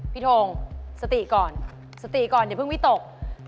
ทงสติก่อนสติก่อนอย่าเพิ่งวิตก